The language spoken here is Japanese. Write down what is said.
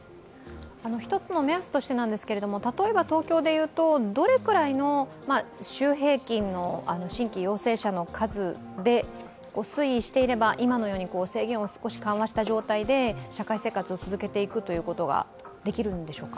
１つの目安としてですが、例えば東京でいうとどれくらいの週平均の新規陽性者の数で推移していれば今のように制限を少し緩和した状態で社会生活を続けていくことができるんでしょうか？